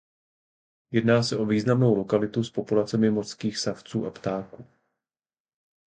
Jedná se o významnou lokalitu s populacemi mořských savců a ptáků.